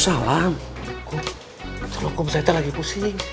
kalau kum saya lagi pusing